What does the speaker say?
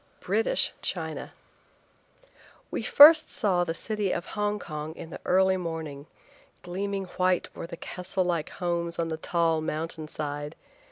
BRITISH CHINA. WE first saw the city of Hong Kong in the early morning. Gleaming white were the castle like homes on the tall mountain side.